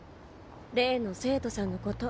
例の生徒さんのこと。